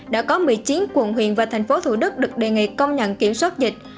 đã có một mươi chín quận huyện và tp thủ đức được đề nghị công nhận kiểm soát dịch